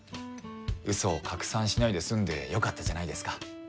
ウソを拡散しないで済んでよかったじゃないですか。